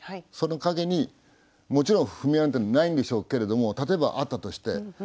その蔭にもちろん踏絵なんてないんでしょうけれども例えばあったとして。